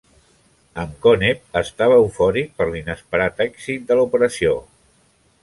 En Konev estava eufòric per l'inesperat èxit de l'operació.